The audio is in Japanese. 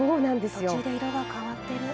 途中で色が変わってる。